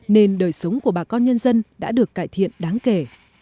nên đời sống của bà con nhân dân đã được cải thiện đáng kể